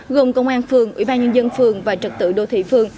gồm công an phường ủy ban nhân dân phường và trật tự đô thị phường